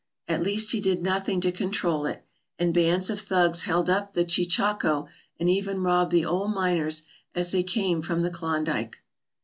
At least he did nothing to control it, and bands of thugs held up the cheechako and even robbed the old miners as they came from the Klondike.